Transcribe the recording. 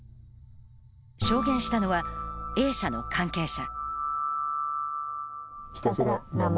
証言したのは、Ａ社の関係者。